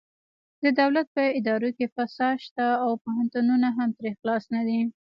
د دولت په ادارو کې فساد شته او پوهنتونونه هم ترې خلاص نه دي